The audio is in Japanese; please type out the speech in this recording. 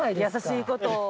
優しいこと。